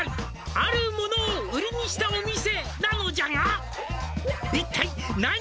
「あるものを売りにしたお店なのじゃが」